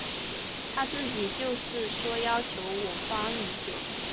他自己就是说要求我方已久。